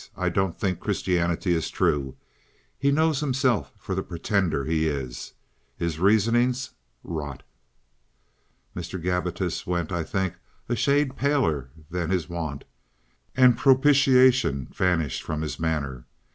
I don't think Christianity is true. He knows himself for the pretender he is. His reasoning's—Rot." Mr. Gabbitas went, I think, a shade paler than his wont, and propitiation vanished from his manner.